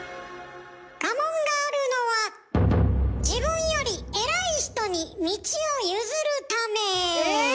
家紋があるのは自分より偉い人に道を譲るため。